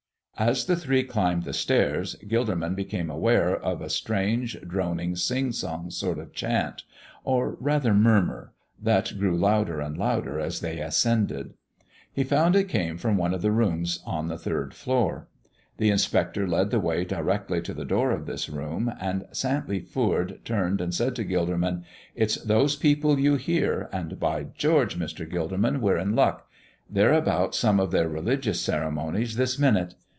As the three climbed the stairs Gilderman became aware of a strange, droning, sing song sort of chant, or rather mummer, that grew louder and louder as they ascended. He found it came from one of the rooms on the third floor. The inspector led the way directly to the door of this room, and Santley Foord turned and said to Gilderman: "It's those people you hear, and, by George! Mr. Gilderman, we're in luck; they're about some of their religious ceremonies this minute.